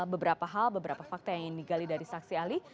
beberapa hal beberapa fakta yang ingin digali dari saksi ahli